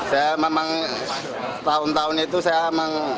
saya memang tahun tahun itu saya memang